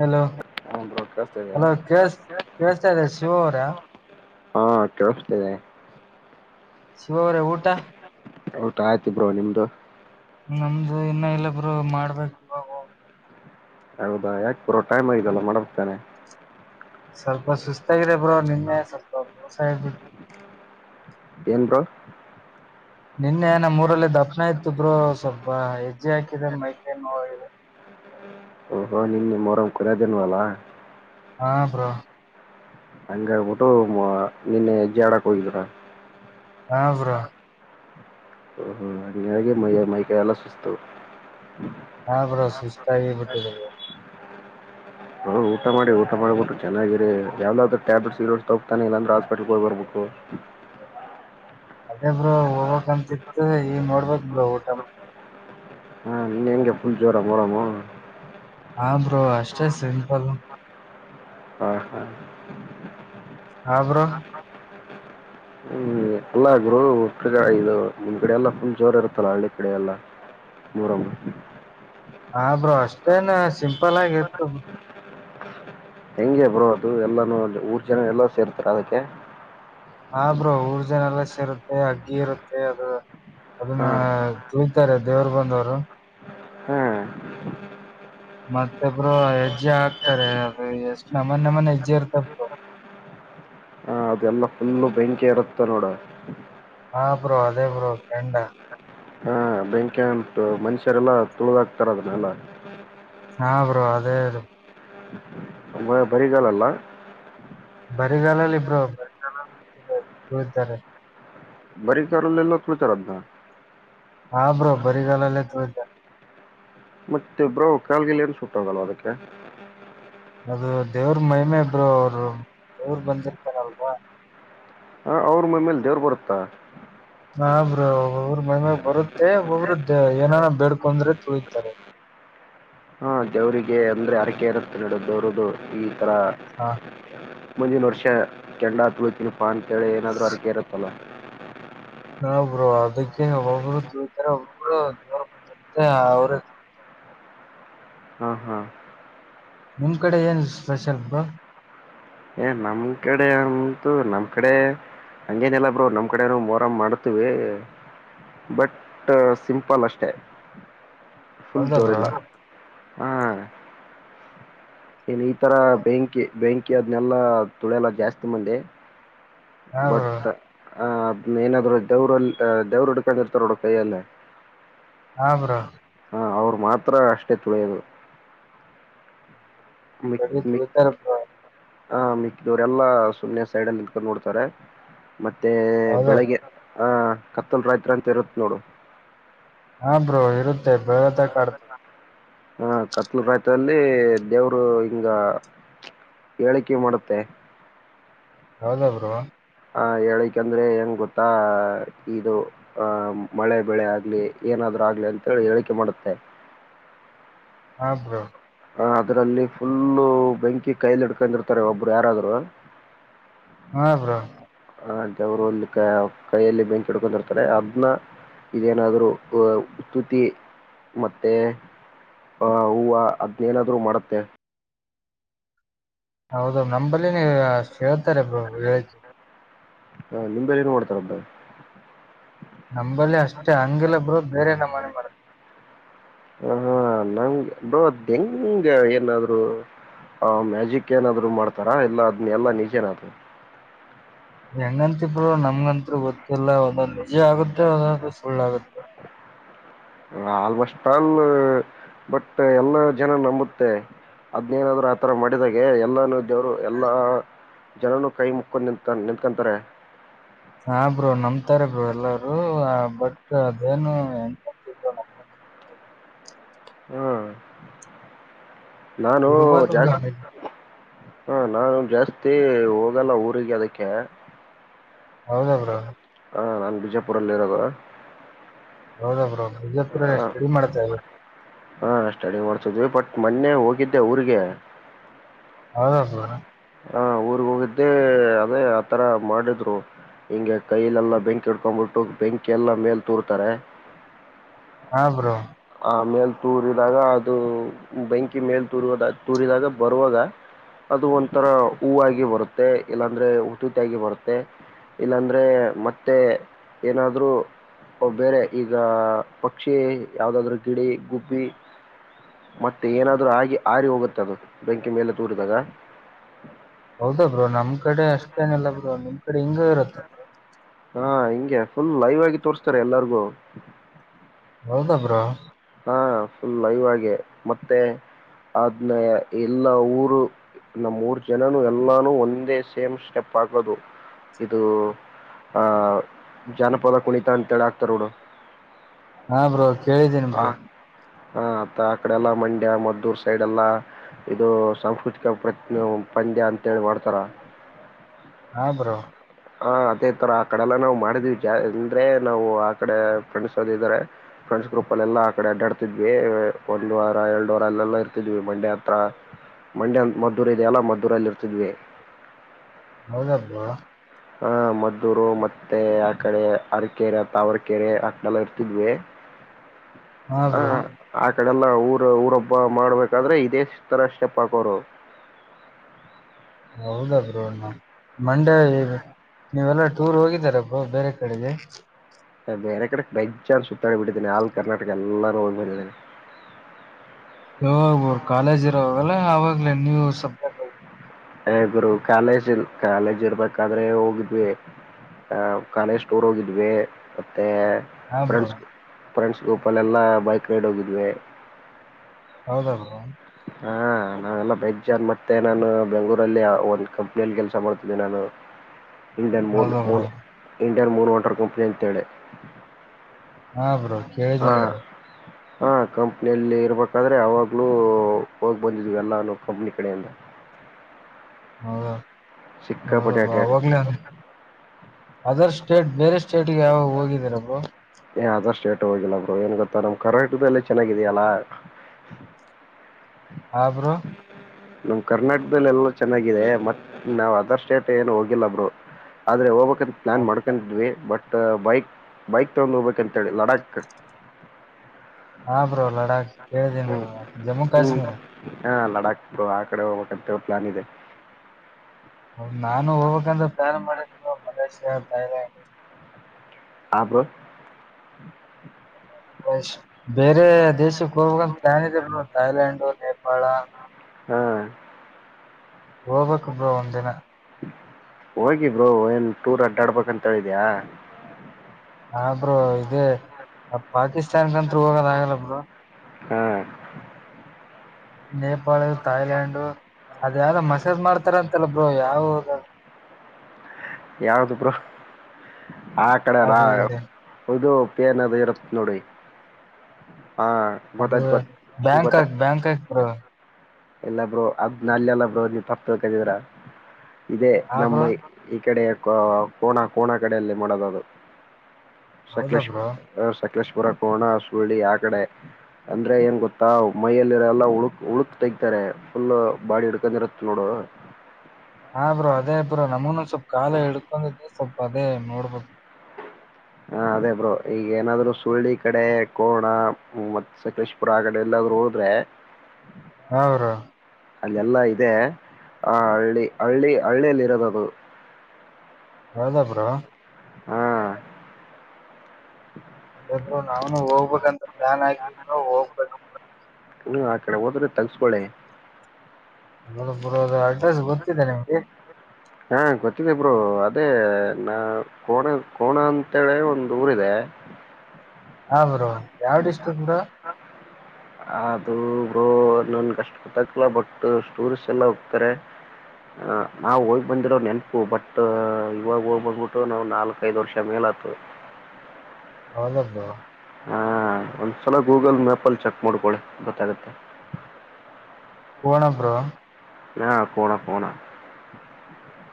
Hello ಹಾ bro ಕೇಳಿಸ್ತಿದೆ hello ಕ ಕಳ್ತಾದೆ ಶಿವ ಅವರ ಹಾ ಕೆೇಳತದೆ ಶಿವ ಅವರೇ ಊಟ ಹೌಟಾ ಆಯ್ತ ಬ್ರೋ ನಿಮ್ದು ನಮ್ದು ಇನ್ನ ಇಲ್ಲೊಬ್ರು ಮಾಡ್ಬೇಕು ಇವಾಗ ಹೋಗ್ಬೇಕ ಹೌದಾ ಯಾಕೆ ಪುರೋ ಟೈಮ್ ಇದಲ್ಲ ಮಾಡತಾನೆ ಸ್ವಲ್ಪ ಸುಸ್ತಾಗಿದೆ ಬ್ರೋ ನಿನ್ನೆ ಸ್ವಲ್ಪ ಮೋಸ ಆಗ್ಬಿಟ್ಟು ಏನ್ ಬ್ರೋ ನಿನ್ನೆ ನಾಮ್ ಮೂರಲ್ಲಿ ದರ್ಶನ ಇತ್ತು ಬ್ರೋ ಸ್ವಲ್ಪ ಹೆಜ್ಜೆ ಹಾಕ ಮೈ ಕೈ ನೋವು ಆಗಿದ ಓಹೋ ನಿನ್ನೆ ಮರಂಗ ಕುರ್ಯದನ್ವಲ್ಲಾ ಹಾ ಬ್ರಾ ಹಂಗ ಆಗ್ಬಿಟ್ಟು ನಿನ್ನೆ ಹೆಜ್ಜಾಡಕ್ ಹೋಗಿದರ ಹ ಬ್ರೋ ಓಹ ಅಂಗಗಿ ಮೈ ಕೈ ಎಲ್ಲ ಸುಸ್ತು ಹಾ ಬ್ರೋ ಸುಸ್ತಾಾಗಿ ಬಿಟ್ಟಿಡಿವಿ ಹೌ್ ಊಟ ಮಾಡಿಊಟ ಮಾಡಬಿಟ್ಟ ಚನ್ನಾಗಿರಿ ಯಾವ್ದಾದ್ ಟ್ಯಾಬ್ಲೆಟ್ಸ್ ಇ ತಗತಾನಿಲ್ಲ ಅಂದ್ರ ಹಾಸ್ಪಿಟಲ್ಗೆ ಹೋಗ ಬರ್ಬಬೇಕು [inaudible] ಅದೇ ಬ್ರೋ ಹೋಗಬಕ್ಂತಿತ್ತು ಈ ನೋಡ್ಬಕ್ ಬ್ರೋ ಊಟ ಮಾಡಿ ಗೆ ಫುಲ್ ಜೋರ ಮೊಹರಂ ಹಾ ಬ್ರೋ ಅಷ್ಟೇ ಸಿಂಪಲ್ ಹಾ ಹಾ ಹಾ ಬ್ರೋ ಎಲ್ಲ ಗುರು ಉ್ರಗ ಇದು ನಿಮ್ ಕಡೆ ಎಲ್ಲಾ ಫುಲ್ ಜೋರ್ ಇರುತ್ತಲ್ಲ ಹಳ್ಳಿ ಕಡೆ ಎಲ್ಲಾ ಮೋರಂ ಹಾ ಬ್ರೋ ಅಷ್ಟೇನ್ ಸಿಂಪಲ್ ಆಗ ಇತ್ತು ಬ್ರೋ ಹೆಂಗೆ ಬರೋದು ಎಲ್ಲಾನು ಅಲ್ಲಿ ಊರ್ ಜನ ಎಲ್ಲ ಸೇರ್ತಾರೆ ಅದಕ್ಕೆ ಆ ಬ್ರೋ ಊರ ಜನೆ ಏಲ್ಲ ಸರುತ್ತೆ ಅಗ್ಗಿ ಇರುತ್ತೆ ಅದು ಹಾ ಅದನ್ನ ತುಳತಾರೆ ದೇವರು ಬಂದವರು ಹಾ ಮತ್ತೊ ಬ್ರೋ ಹೆಜ್ಜೆ ಹಾಕ್ತಾರೆ ಅದು ಎಷ್ಟು ನಮನ್ ನಮನ್ ಹೆಜ್ಜೆ ಇರ್ತಬ್ರೋ ಹ ಹ ಅದೆಲ್ಲಾ ಫುಲ್ಲು ಬೆಂಕಿ ಇರುತ್ತ ನೋಡು ಹಾ ಬ್ರೋ ಅದೇ ಬ್ರೋ ಕೆಂಡ ಹ ಬ್ಯಾಂಕಂ ಮನುಷ್ಯರೆಲ್ಲಾ ತುಳದಾಗಕ್ತಾರ ಅದನ್ನೆಲ್ಲ ಹಾ ಬ್ರೋ ಅದೇ ಬರಿಗಾಲಿಅಲ್ಲ ಬರಿಗಾಲಲ್ಲಿ ಇಬ್ರೋ ಬರಿಗಾಲಲ್ಲಿೂಳಾರೆ ಬರಿ ಕಲಲ್ಲ ತುಳಿತರ ಹಾ ಬ್ರೋ ಬರಿ ಗಾಲ ಅಲ್ಲ ತುಳೀತಾರೆ ಮತ್ತೆಬ್ರೋ ಕಾಲ್ಗಿಲ್ಾರ ಸುಟ್ಟಂಗಲ್ಲ ಅದಕ್ಕೆ ಅದು ದೇವ್ರ ಮಹಿಮೆ ಇಬ್ರು ಅವರು ದೇವರು ಬಂದಿರ್ತಾರಲ್ವಾ ಹಾ, ಅವ್ರ ಮೇಲೆ ದೇವ್ರ ಬರುತ್ತಾ ನಬ್್ರರು ಒಬ್ಬ್ರ ಮೈಮಾಗ ಬರುತ್ತೆ ಒಬ್ಬರು ಏನನ ಬೇಡ್ಕಂದ್ರಿ ಇದ್ದಾರೆ ಹಾ ಜವರಿಗೆ ಅಂದ್ರೆ ಅರಕೆ ಇರುತ್ತ ನಡದುರದು ಈ ತರ ಹಾ ಮುಂದಿನ ವರ್ಷ ಕೆಂಡ ಹ ತುಳತೀನಿ ಫಾ ಅಂತೇಳಿ ಏನಾದರೂ ಅ್ರಕ ಇರುತ್ತಲ್ಲ ಹಾ ಬ್ರೋ ಅದಕ್ಕೆ ಒಬ್ಬ್ರು ತುಳೀತಾರೆ ಒಬ್ಬರು ಜ ಮತ್ತೆ ಅವ್ರೇ ಹಾ ಹಾ ನಿಮ್ ಕಡೆ ಏನ್ ಸ್ಪೆಷಲ್ ಬ್ರೋ ಏ ನಮ್ ಕಡೆ ಅಂತೂ ನಮ್ ಕಡೆ ಹಂಗೇನಲ್ಲ ಬ್ರೋ ನಮ್ ಕಡೆನ ಮೋರಂ್ ಮಾಡತಿವಿ ಬಟ್ ಸಿಂಪಲ್ ಅಷ್ಟೆ ಫುಲ್ ಹೌದಾ ಜೋರಿ ಬ್ರೋ ಇಲ್ಲ ಹಾ ಇನ್ ಈ ತರ ಬೆಂಕಿ ಬೆಂಕಿ ಅದ್ನೆಲ್ಲ ತುಳಿಯಲ್ಲ ಜಾಸ್ತಿ ಮಂದಿ ಹಾ ಬ್ರೋ ಬಟ್ ಆ ಏನಾದ್ರರು ದೇವ್ರಲ್ಲಿ ದೇವ್ರ ಹಿಡ್ಕೊಂಡ ಇರ್ತಾರೋ ಕೈಯಲ್ಲ ಹಾ ಬ್ರೋ ಅವರು ಮಾತ್ರ ಅಷ್ಟೇ ತುಳೆಯರು ಕಡಿತುತಾರೆ ಹಾ ಮಿಕ್ಕಿದವರೆಲ್ಲಾ ಸುನ್ಸೈಡ್ ಅಲ್ಲಿ ನಿಕೊಂಡು ನೋಡ್ತಾರೆ ಮತ್ತೆ ಹೌದಾ ಬೆಳಗ್ಗೆ ಹ ಕತ್ತಲ್ ರಾಯತ್ರಿ ಅಂತ ಇರುತ್ ನೋಡು ಹಾ ಬ್ರೋ ಇರುತ್ತೆ ಬೇವತ ಕಾಡ್ತಾರೆ ಹಾ ಕತ್ಲ ಪ್ರಾಯತ್ರದಲ್ಲಿ ದೇವರು ಹಿಂಗ ಹೇಳಿಕೆ ಮಾಡುತ್ತೆ ಯೌದ ಬರು ಆಹ ಹೇಳಿಕಂದ್ರೆ ಹೆಂಗ್ ಗೊತ್ತಾ ಇದು ಆಹ ಮಳೆ ಬೆಳೆ ಆಗ್ಲಿ ಏನಾದ್ ಆಗ್ಲಿ ಅಂತ ಹೇಳಿ ಹೇಳಿಕೆ ಮಾಡುತ್ತೆ ಹಬ್ರ ಹ ಅದ್ರಲ್ಲಿ ಫುಲ್ಲು ಬೆಂಕಿ ಕೈಲಿ ಇಡ್ಕೊಂಡಿರ್ತಾರೆ ಒಬ್ರು ಯಾರಾದ್ರು ಹಾ ಬ್ರ ಆ ಜವರುಲ್ಲಿ ಕೈಯಲ್ಲಿ ಬೆಂಕಿ ಹಿಡ್ಕೊಂಡಿರ್ತಾರೆ ಅದನ್ನ ಇದೇನ ಅಹ ಉುತಿ ಮತ್ತೆ ಆ ಹೂವು ಹದ್ನೇನಾದ್ರು ಮಾಡತ್ತೆ ಹೌದು ನಂಬಲ್ಲಿ ಅಷ್ಟ ಹೇಳ್ತಾರೆ ಹೇಳತು ಹಾ ನಿಮ್ದಲ್ಲಿ ಏನ್ ಮಾಡ್ತಾರಬ್ಬ ನಂಬಲ್ಲಿ ಅಷ್ಟೇ ಹಂಗಿಲ್ಲ ಬ್ರೋ ಬೇರೆ ನಮ್ಮ ಮನೆ ಮಾಡ ಹ ಹಾ ನಂಗೆ ಬದ ಹೆಂಗಂಗ ಏನಾದ್ರು ಆ ಮ್ಯಾಜಿಕ್ ಏನಾದ್ರು ಮಾಡ್ತಾರಾ ಎಲ್ಲಾ ಅದ್ನ ಎಲ್ಲಾ ನಿಜೇನದು ಹೆಂಗಂತಬರು ನಮ್ಗತ್ರು ಗೊತ್ತಿಲ್ಲ ಒಂದೊಂದು ನಿಜ ಆಗುತ್ತೆ ಒಂದೊಂದು ಸುಳ್ಳಾಗುತ್ತೆ ಆಲ್ಮಸ್ಟ್ ಆಲ್ ಬಟ್ ಎಲ್ಲಾ ಜನ ನಂಬುತ್ತೆ ಅದ್ನೇನಾದ್ರು ಆತರ ಮಾಡಿದಾಗೆ ಎಲ್ಲಾನ ದೇವರು ಎಲ್ಲಾ ಜನನುೂ ಕೈ ಮುಕ್ಕೊಂಡ ನಿ ನಿತ್ಕೊಂತಾರೆ ಹಾ ಬ್ರರು ನಮ್ತಾರ ಬರು ಎಲ್ಲಾರೂ ಬಟ್ ಅದೇನು ಎಂತ ಹ್ಮ್ ನಾನು ಇರ್ಬೋದು ಬ್ರೋ ಜಾಸ್ತಿ ಹಾ ನಾನು ಜಾಸ್ತಿ ಹೋಗಲ್ಲ ಊರಿಗೆ ಅದಕ್ಕೆ ಹೌದಾ ಬ್ರೋ ಹ ನಾನ ಬಿಜೆಪು ಲೈರಾಗ ಹೌದಬ್ರ ಬಿಜಾಪುರ ಸ್ಟಡಿ ಮಾಡ್ತಾ ಇದ್ರು ಹಾ ಸ್ಟಡಿ ಮಾಡ್ಸಿದ್ವಿ ಬಟ್ ಮೊನ್ನೆ ಹೋಗಿದ್ದೆ ಅವ್ರಿಗೆ ಹೌದದು ಹಾ ಊರ್ಗ್ ಹೋಗಿದ್ದೆ ಅದೇ ಆತರ ಮಾಡಿದ್ರು ಹಿಂಗೆ ಕೈಯಲೆಲ್ಲಾ ಬೆಂಕಿ ಇಡ್ಕೊಂಡ್ಬಿಟ್ಟು ಬೆಂಕಿ ಎಲ್ಲಾ ಮೇಲ್ ತೂರ್ತಾರೆ ಹಾ ಬ್ರೋ ಆ ಮೇಲ್ ತೂರಿದಾಗ ಅದು ಬೆಂಕಿ ಮೇಲ್ ತೂದ ತೂರಿದಾಗ ಬರುವಾಗ ಅದು ಒಂಥರ ಹೂಗ ಬರುತ್ತೆ ಇಲ್ಲಾಂದ್ರೆ ಹಟತಾಗಿಿ ಬರುತ್ತೆ ಇಲ್ಲಾಂದ್ರೆ ಮತ್ತೆ ಏನಾದ್ರೂ ಬೇರೆ ಈಗ ಪಕ್ಷಿ ಯಾವ್ದಾದ್ರರು ಗಿಡಿ ಗುಬ್ಬಿ ಮತ್ತೆ ಏನಾದ್ರೂ ಆಗಿ ಆರಿ ಹೋಗುತ್ತೆ ಅದು ಬೆಂಕಿ ಮೇಲೆ ತೂರಿದಾಗ ಹೌದಾ ಬ್ರೋ ನಮ್ ಕಡೆ ಅಷ್ಟೇನಿಲ್ಲ ಬ್ರೋ ನಿಮ್ ಕಡೆ ಹಿಂಗ ಇರುತ್ತ ಬ್ರ ಹಾ ಹಿಂಗೆ ಫುಲ್ ಲೈವ್ ಆಗಿ ತೋರ್ಸ್ತಾರೆ ಎಲ್ಲಾರಿಗೂ ಹೌದಬ್ರಾ ಹಾ ಫುಲ್ ಲೈವ್ ಮತ್ತೆ ಅನ್ನ ಎಲ್ಲಾ ಊರು ನಮ್ಮ ಮೂರ್ ಜನನು ಎಲ್ಲಾನು ಒಂದೇ ಸೇಮ್ ಸ್ಟೆಪ್ ಆಗೋದು ಇದು ಆ ಜಾನಪದ ಕುಣಿತ ಅಂತ ಹೇಳಿ ಹಕ್ತಾರ ನೋಡು ಹಾ ಬ್ರೋ ಕೇಳಿದ್ದೇನಿ ಬ್ರೋ ಹಾ ಅ ಆಕಡೆಲ್ಲ ಮಂಡ್ಯ ಮದ್ದೂರ್ ಸೈಡ್ ಎಲ್ಲ ಇದು ಸಾಂಸ್ಕೃತಿಕ ಪ್ರ ಪಂದ್ಯ ಅಂತಿ ಮಾಡ್ತಾರ [unintelligible] ಹಬರೋ ಹ ಅದೇ ತರ ಆ ಕಡೆಲ್ಲಾ ನಾವ್ ಮಾಡಿದೀವಿ ಅಂದ್ರೆ ನಾವು ಆ ಕಡೆ ಫ್ರೆಂಡ್ಸ್ ಅದ ಇದಾರೆ ಫಂಡ್ಸ್ ಗ್ರೂಪ್ ಅ ಎಲ್ಲಾ ಆ ಕಡೆ ಅಡ್ಡಾಡ್ತಿದ್ವಿ ಒಂದ್ ವಾರ ಎರಡು ವಾರ ಎಲ್ಲಾ ಇರ್ತಿದ್ವಿ ಮಂಡೆ ಹತ್ರ ಮಂಡ್ಯ ಮದ್ದೂರ ಇದೆಯಲ್ಲ ಮದ್ದೂರಲ್ಲಿರ್ತಿದ್ವಿ ಹೌದಬ ಹ ಮದ್ದೂರು ಮತ್ತೆ ಆ ಕಡೆ ಅರಕೆರೆ ತಾವರ್ಕೆರೆ ಅಲ್ಲ ಇರ್ತಿದ್ವಿ ಹಾ ಆ ಬ್ರೋ ಆ ಕಡೆಲ್ಲ ಊರ ಊರೊಬ್ಬ ಮಾಡ್ಬೇಕಾದ್ರೆ ಇದೇ ತರ ಸ್ಟೆಪ್ ಹಾಕೋರು [unintelligible] ಹೌದಾ ಬ್ರೋ ನ ಮಂಡ್ಯ ನೀವೆಲ್ಲಾ ಟೂರ್ ಹೋಗಿದ್ದಾರಬ್ಬ ಬೇರೆ ಕಡೆಗೆ ಬೇರೆ ಕಡೆ ಬಜ್ಜಾರ ಸುತ್ತಾ ಬಿಟ್ಟಿದ್ದೇನನೆ ಆಲ್ ಕರ್ನಾಟಕ ಎಲ್ಲಾನು ಹೋಗ್ ಬಂದಿದ್ದೇನಿ ಯಾಗರು ಕಾಲೇಜ್ ಇರೋಾಗಲ್ಲ ಆವಾಗ್ಲ ನೀವು ಸಬ್ಜಕ್ಟ್ ಹಏ ಗುರು ಕಾಲೇಜ್ ಇ ಕಾಲೇಜ್ ಇರ್ಬೇಕಾದ್ರೆ ಹೋಗಿದ್ವಿ ಆ ಖಾನೆ ಸ್ಟೋರ್ ಹೋಗಿದ್ವಿ ಮತ್ತೆ ಹಾ ಬ್ರೋ ಫ್ರೆಂಡ್ಸ್ ಫ್ರೆಂಡ್ಸ್ ಗೋಪಲ್ ಎಲ್ಲಾ ಬೈಕ್ ರೈಡ್ ಹೋಗಿದ್ವಿ ಹೌದಾಗ ಹಾ ನಾವೆಲ್ಲ ಬೇಜ ಜನ್ ಮತ್ತೆ ನಾನು ಬೆಂಗ್ಳೂರಲ್ಲಿ ಒಂದ್ ಕಂಪ್ನಿಯಲ್ಲಿ ಕೆಲಸ ಮಾಡ್ತಿದಿ ನಾನು [unintelligible] ಇಂಡಿಯನ್ ಹೌದಾ moon bro Indian moon water company ಅಂತೇಳಿ ಹಾ ಬ್ರ ಕೇಳಿದ್ದೀನ ಬೋ ಹಾಂ ಕಂಪ್ನಿಯಲ್ಲಿ ಇರಬೇಕಾದ್ರೆ ಆವಾಗಲೂ ಹೋಗಿ ಬಂದಿದ್ವಿ ಎಲ್ಲೂ ಕಂಪ್ನಿ ಕಡೆಯಿಂದ ಹೌದಾ ಹೌದ ಸಿಕ್ಕಾಪಟ್ಟೆ ಬಾಗ ಅಡ್ಡಾಡಿದ್ವಿ ನನ್ ಅದರ್ ಸ್ಟೇಟ್ ಬೇರೆ ಸ್ಟೇಟ್ಿಗೆ ಯಾವಾಗ ಹೋಗಿದ್ದೀರಪ್ಪೋ ಯಾವ್ದೋ ಸ್ಟೇಟ್ ಹೋಗಿಲ್ಲ ಬ್ರೋ ಏನ್ ಗೊತ್ತಾ ನಮ್ ಕರ್ನಾಟಕದ ಎಲ್ಲ ಚೆನ್ನಾಗಿದ್ಯಲ್ಲ ಆಬರ ನಮ ಕರ್ನಾಟಕದಲ್ಲಿ ಎಲ್ಲ ಚೆನ್ನಾಗಿದೆ ಮತ್ ನಾವ್ ಅದರ್ ಸ್ಟೇಟ್ ಏನು ಹೋಗಿಲ್ಲಬ್ರು ಆದ್ರೆ ಹೋಗ್ಬೇಕಕದ ಪ್ಲಾನ್ ಮಾಡ್ಕೊಂಡಿದ್ವಿ ಬಟ್ ಬೈಕ್ ಬೈಕ್ ತಗೊಂಡ್ ಹೋಗ್ಬೇಕಂತಿ ಲಡಾಕ್ ಹಾ ಬ್ರೋ ಲಡಾಕ್್ ಕೇಳ್ದೇನ್ ಬ್ರೋ ಜಮ್ಮು ಹ್ಮ್ ಕಾಶ್ಮೀರ ಹಾ ಲಡಾಖ ಆ ಕಡೆ ಹೋಗಂತ ಪ್ಲಾನ್ ಇದೆ ಹ ನಾನು ಹೋಗ್ಬೇಕಂದ್ರ ಪ್ರಾರಂಭ ಮಾಡಿದ್ರು ಮಲೇಷ್ಯಾಾ ಥಾಯ್ಲ್ಯಾಂಡ್ ಆಬ್ರ ಬೇರೆ ದೇಶಕ್ಕೆ ಹೋಂತ ತಾನಿದೇ ಥಾಯ್ಲ್ಯಂಡು ನೇಪಾಳ ಹಾ್ ಹೋಬಕ್ೊಬ್ರ ಒಂದ ದಿನ ಹೋಗಿ ಬ್ರೋ ಏನ್ ಟೂರ್ ಅಡ್ಡಾಡ್ಬೇಕಂತ ಇದ್ಯಾ ಹ ಬ್ರೂ ಇದೇ ಪಾಕಿಸ್ತಾನ್ ಕಂತ್ ಹೋಗದ ಆಗಲ್ಲ ಬ್ರರು ಹ್ಮ್ ನೇಪಾಳ ತಾಯ್ಲ್ಯಾಂಡು ಅದ ಯಾರ ಮಸೇಾಜ್ ಮಾಡ್ತಾರ ಅಂತಲ್ಲ ಬ್ರೋ ಯಾವ ಯಾವ್ದಬ್ರು ಆ ಕಡೆಲ್ಲಾ ಅದು ಇದೆ ಹೌದು ತ್ಯ ಏನದಗರನೋಡಿ ಹಾ ಅದು ಗೊತ್ತಾಯ ಗೊ ಗೊತ್ತಾಯ ಬ್ಯಾಂಕಾಕ್ ಬ್ಯಾಂಕಾಕ್ ಬ್ರೋ ಎಲ್ಲ ಬರು ಅದ್ ನಲ್ಲಿೆಲ್ಲ ಬ ನೀ ತಪ್ಪಳ್ಿದ್ರ ಇದೇ ಹಾ ನಮ್ಮ ಬ್ರೋ ಕಡೆ ಕೋಣ ಕೋಣ ಕಡೆಯಲ್ಲಿ ಮಾಡೋದ ಅದು ಹೌದಾ ಸಲೇಶುರ ಬ್ರೋ ಅೇಶ್ವುರ ಕೋಣ ಸುಳ್ಳಿ ಆ ಕಡೆ ಅಂದ್ರೆ ಏನ್ ಗೊತ್ತಾ ಮೈಯಲ್ಲಿರ ಎಲ್ಲಾ ಉಳುಕ್ ಉಳುಕ್ ತೆಗತಾರೆ ಫುಲ್ ಬಾಡಿ ಹಿಡ್ಕೊಂಡ ಇರುತ್ತ ನೋಡು ಹ್ಮ ಹಾ ಬ್ರೋ ಅದೇ ಇಬ್್ರೋ ನಮನೊಂದ ಸ್ವಲ್ಪ್ ಕಾಲ ಹಿಡ್ಕೊಂಡಿದ್ದೆ ಸ್ವಲ್ಪ ಅದೇ ನೋಡ್ಬೋದು ಹಾ ಅದೇ ಬ್ರೋ ಈಗ ಏನಾದ್ರು ಸುಳ್ಳಿ ಕಡೆ ಕೋಣ ಮತ್ತೆ ಸಕಲೇಶಪುರ ಆ ಕಡೆ ಎಲ್ಲ ರು ಓದೋ ಹ ಬ್ರೋ ಅಲ್ಲೆಲ್ಲಾ ಇದೆ ಆ ಹಳ್ಳಿ ಹಳ್ಳಿ ಹಳ್ಳಿಯಲ್ಲಿ ಇರೋದದು ಹೌದಬ್ರಾ ಹ್ಮ್ ಅದಾದ್ರರು ನಾವ್ನು ಹೋಗ್ಬೇಕಂತ ಪ್ಲಾನ್ ಆಗ ಹೋಗ್ಬೇಕು ಹ ಆ ಕಡೆ ಹೋದ್ರೆ ತಗ್ಸ್ಕೊಳೆ ಅ ಬರ ಅಡ್ರೆಸ್ ಗೊತ್ತಿದೆ ನಿಮ್ಗೆ ಹಾ ಗೊತ್ತಿದೆ ಬ್ರರು ಅದೇ ನ ಕೋಣ ಕೋಣ ಅಂತೇಳೆ ಒಂದು್ ಊರಿದೆ ಹ ಬ್ರೋ ಯಾವ ಡಿಸ್ಟಿಕ್ ಬ್ರೋ? ಅದು ನನ್ ಕಷ್ಟ ಗೊತ್ತಕ್ಲ್ಲ ಬಟ್ ಸ್ಟೋರ್ಸ್ ಎಲ್ಲ ಹೋಗ್ತಾರೆ ಹ ನಾವ್ ಹೋಗ್ ಬಂದಿರೋ ನೆನಪು ಬಟ್ ಇವಾಗ ಹೋಗ್ ಬಂದ್ಬಿಟ್ಟು ನಾವ್ ನಾಲ್ಕ ಐದು ವರ್ಷ ಮೇಲೆ ಹತ್ತು ಹೌದದ ಹಾ ಒಂದ್ಸಲ ಗೂಗಲ್ ಮ್ಯಾಪಲ್ಲಿ ಚೆಕ್ ಮಾಡ್ಕೊಳ್ಳಿ ಗೊತ್ತಾಗತ್ತೆ ಕೊಣ ಬ್ರೋ ಹಾ ಕೊಣ ಕೊಣ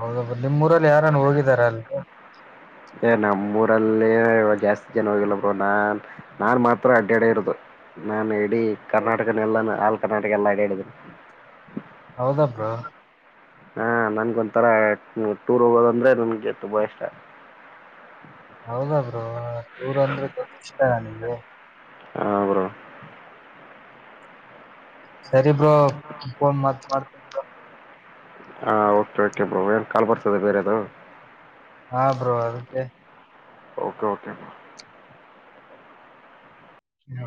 ಹೌದ ನಿಮ್ ಊರಲ್ಲಿ ಯಾರನ್ನು ಹೋಗಿದಾರ ಅಲ್ಲಿ ನಮ್ಮೂಊರಲ್ಲಿ ಇವ ಜಾಸ್ತಿ ಜನ ಹೋಗಿಲ್ಲಬರು ನಾನ್ ನಾನ್ ಮಾತ್ರ ಅಡ್ಡ ಅಡೆ ಇರೋದು ನಾು ಇಡೀ ಕರ್ನಾಟಕನೆ ಎಲ್ಲಾನ ಆಲ್ ಕರ್ನಾಟಕ ಎಲ್ಲ ಅಡ ಹೇಳಿದನಿ ಹೌದ ಬ್ರೋ ಹಾ ನನ್ಗ ಒಥರ ಟೂರ್ ಹೋಗೋದಂದ್ರೆ ನನ್ಗೆ ತುಂಬಾ ಇಷ್ಟ ಹೌದ ಬ್ರೋ ಟೂರ್ ಅಂದ್ರೆ ಇಷ್ಟ ನಿಂಗೆ ಹಾಂ ಬ್ರೋ ಸರಿಬ್ರ ಮತ್ ಮಾಡ್ತನ್ ಹಾ ಓಕೆ ಕೆ ಬ್ರೋ ಏನ್ ಕಾಲು ಬರ್ತದೆ ಬೇರೆದು ಹಾ ಬ್ರೋ ಅದಕ್ಕೆ ಓಕೆ ಓಕೆ ಬ್ರೋ